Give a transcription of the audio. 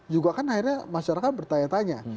juga kan akhirnya masyarakat bertanya tanya